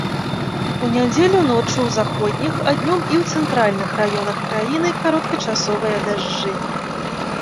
У нядзелю ноччу ў заходніх, а днём і ў цэнтральных раёнах краіны кароткачасовыя дажджы.